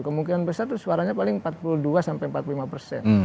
kemungkinan besar itu suaranya paling empat puluh dua sampai empat puluh lima persen